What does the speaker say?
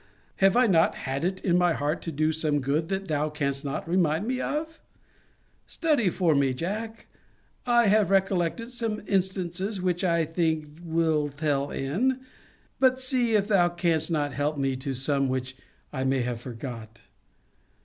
Have I not had it in my heart to do some good that thou canst not remind me of? Study for me, Jack. I have recollected some instances which I think will tell in but see if thou canst not help me to some which I may have forgot.